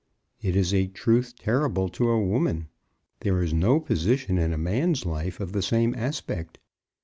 It is a truth terrible to a woman. There is no position in a man's life of the same aspect.